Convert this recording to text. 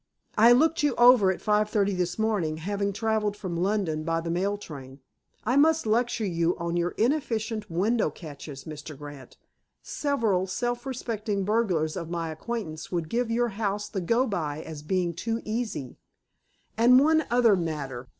"I looked you over at five thirty this morning, having traveled from London by the mail train. I must lecture you on your inefficient window catches, Mr. Grant. Several self respecting burglars of my acquaintance would give your house the go by as being too easy. And, one other matter.